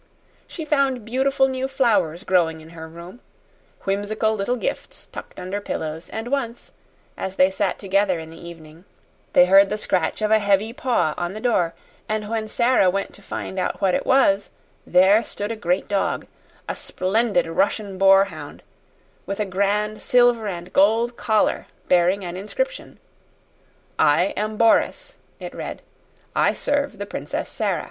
She found beautiful new flowers growing in her room, whimsical little gifts tucked under pillows, and once, as they sat together in the evening, they heard the scratch of a heavy paw on the door, and when Sara went to find out what it was, there stood a great dog a splendid Russian boarhound with a grand silver and gold collar bearing an inscription. "I am Boris," it read; "I serve the Princess Sara."